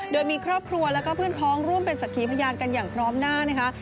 โดยมีครอบครัวแล้วก็เพื่อนพ้องร่วมเป็นสักขีพยานกันอย่างพร้อมหน้านะคะ